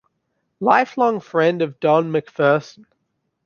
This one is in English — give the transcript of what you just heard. Lifelong friend of Don MacPherson.